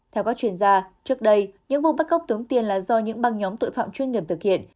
theo các chuyên gia trước đây những vụ bắt cóc tống tiền là do những băng nhóm tội phạm chuyên nghiệp thực hiện